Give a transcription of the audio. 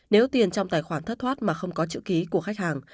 nếu tiền trong tài khoản thất thoát mà không có chữ ký của khách hàng